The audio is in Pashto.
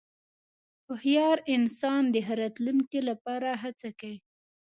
هوښیار انسان د ښه راتلونکې لپاره هڅه کوي.